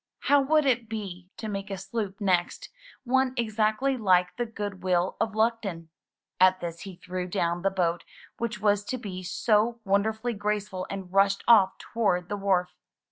How would it be to make a sloop next — one exactly like the "Goodwill of Luckton"? At this he threw down the boat which was to be so wonder fully graceful and rushed off toward the wharf.